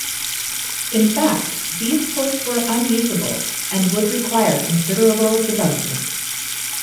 In fact, these ports were unusable and would require considerable development.